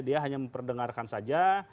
dia hanya memperdengarkan saja